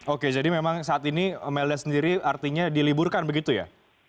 oke jadi memang saat ini melda sendiri artinya diliburkan begitu ya